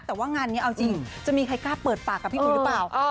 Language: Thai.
แต่ว่างานนี้เอาจริงจะมีใครกล้าเปิดปากกับพี่อุ๋ยหรือเปล่า